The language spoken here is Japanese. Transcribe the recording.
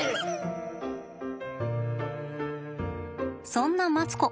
そんなマツコ。